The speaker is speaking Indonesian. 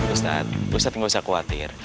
ustaz ustaz gak usah khawatir